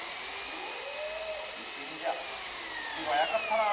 りくにんじゃすばやかったな。